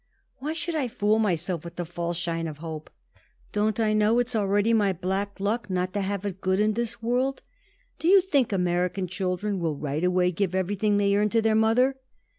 "Why should I fool myself with the false shine of hope? Don't I know it's already my black luck not to have it good in this world? Do you think American children will right away give everything they earn to their mother?"